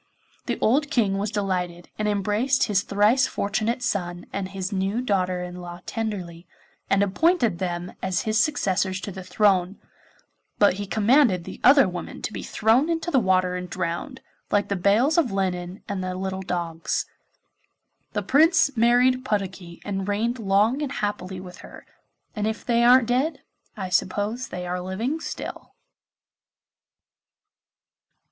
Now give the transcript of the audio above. The old King was delighted, and embraced his thrice fortunate son and his new daughter in law tenderly, and appointed them as his successors to the throne. But he commanded the other women to be thrown into the water and drowned, like the bales of linen and the little dogs. The Prince married Puddocky and reigned long and happily with her, and if they aren't dead I suppose they are living still.